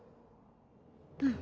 うん。